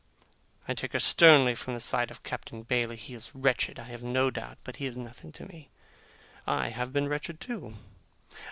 I take her sternly from the side of Captain Bailey. He is wretched, I have no doubt; but he is nothing to me. I have been wretched, too.